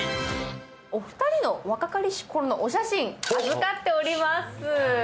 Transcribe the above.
お二人の若かりし頃のお写真を預かっております。